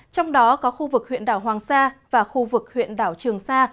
trong đó có khu vực huyện đảo hoàng sa và khu vực huyện đảo trường sa